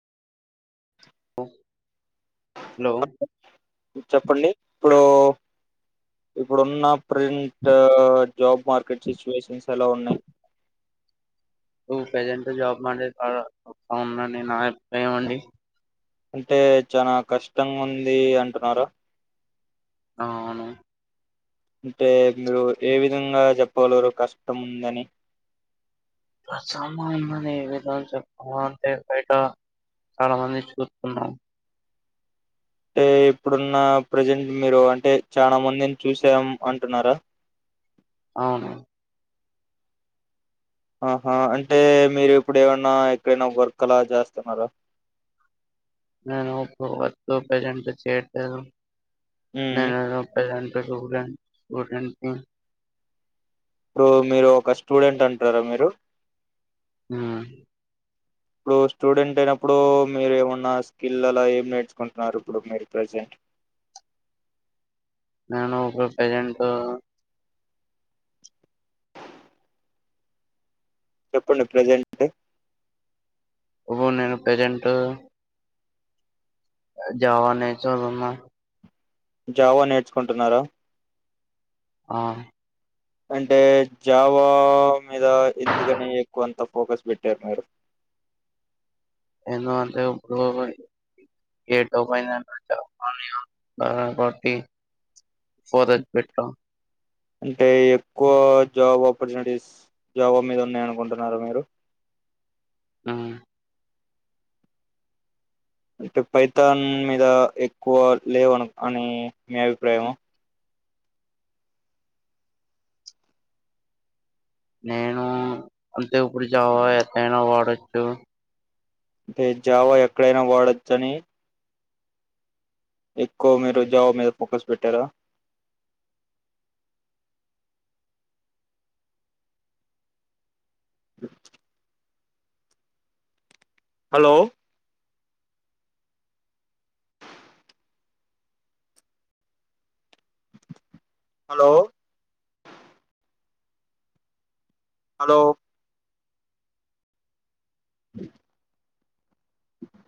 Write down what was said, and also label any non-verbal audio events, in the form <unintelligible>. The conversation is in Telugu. ఓ హలో చెప్పండి ఇప్పుడు ఇప్పుడు ఉన్న ప్రింట్ ఓ జాబ్ మార్కెట్ సిచ్యువేషన్స్ ఎలా ఉన్నాయి నువ్వు ప్రజెంట్ జాబ్ మనేస్తారా అవును అండి నా అభిప్రాయం అండి అంటే చాన కష్టంగ్ ఉంది అంటు ఉన్నారు అవును అంటే మీరు ఏ విధంగా చెప్పగలరో కష్టం గాని ప్రసమా మ <unintelligible> మా అంటే బయటా చాలా మంది చూస్తున్నాం అంటే ఇప్పుడున్న ప్రజెంట్ మీరు అంటే చాలా మందిని చూసాం అంటున్నారా అవును ఆహా అంటే మీరు ఇప్పుడు ఏమన్నా ఎక్కడైనా వర్క్ అలా చేస్తున్నారా నేను ఇప్పుడు వర్క్ ప్రజెంట్ చేయట్లేదు మ్మ్ నేను ప్రెసెంట్ నేను స్టూడెంట్ <unintelligible> ఇప్పుడు మీరు ఒక స్టూడెంట్ అంటారా మీరు ఉమ్ ఇప్పుడు స్టూడెంట్ అయినప్పుడు మీరు ఏమన్న స్కిల్ అలా ఏం నేర్చుకుంటున్నారు ఇప్పుడు మీరు ప్రజెంట్ నేను ఇప్పుడు ప్రజెంట్ చెప్పండి ప్రజెంట్ ఇప్పుడు నేను ప్రజెంట్ జావా నేర్చోని ఉన్నాను జావా నేర్చుకుంటున్నారా ఆ అంటే జావా మీద ఎందుకని ఎక్కువ అంత ఫోకస్ పెట్టారు మీరు ఎందు అంటే ఇప్పుడు ఏంటో <unintelligible> పోదస్ పెట్ట అంటే ఎక్కువ జాబ్ ఆపర్చునిటీస్ జావా మీద ఉన్నాయ అనుకుంటున్నారు మీరు ఆ అంటే ఫైతాన్ మీద ఎక్కువ లేవున్ అని మీ అభిప్రాయం ఆ నేను అంతే ఇప్పుడు జావా ఎత్తయినా వాడొచ్చు అంటే జావా ఎక్కడైనా వాడొచ్చ అని ఎక్కవ మీరు జావా మీద ఫోకస్ పెట్టారా ఉ హలో హలో హలో అ